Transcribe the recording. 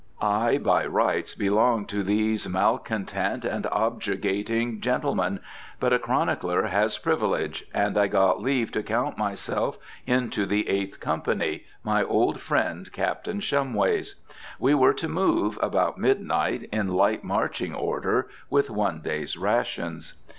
I by rights belonged with these malecontent and objurgating gentlemen; but a chronicler has privileges, and I got leave to count myself into the Eighth Company, my old friend Captain Shumway's. We were to move, about midnight, in light marching order, with one day's rations.